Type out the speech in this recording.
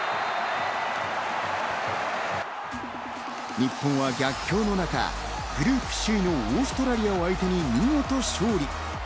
日本は逆境の中、グループ首位のオーストラリアを相手に見事勝利。